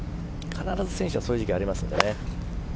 必ず選手はそういう時期ありますので。